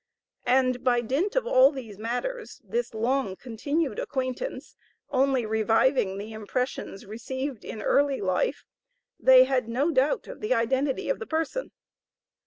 And by dint of all these matters, this long continued acquaintance only reviving the impressions received in early life, they had no doubt of the identity of the person.